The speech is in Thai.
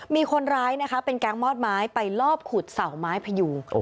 มีคนร้ายนะคะเป็นแก๊งมอดไม้ไปลอบขุดเสาไม้พยูง